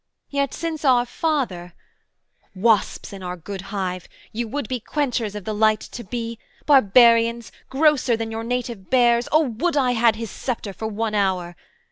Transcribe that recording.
Yet since our father Wasps in our good hive, You would be quenchers of the light to be, Barbarians, grosser than your native bears O would I had his sceptre for one hour!